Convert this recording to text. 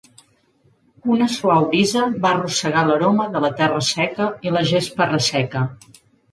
Una suau brisa va arrossegar l'aroma de la terra seca i la gespa resseca.